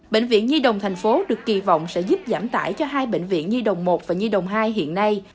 bệnh viện nhi đồng tp hcm được kỳ vọng sẽ giúp giảm tải cho hai bệnh viện nhi đồng một và nhi đồng hai hiện nay